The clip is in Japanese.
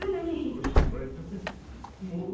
おしまいだもう。